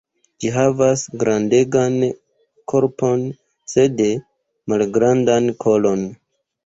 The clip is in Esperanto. Ĝi havas grandegan korpon sed malgrandan kolon.